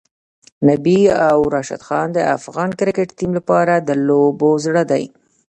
نبی او راشدخان د افغان کرکټ ټیم لپاره د لوبو زړه دی.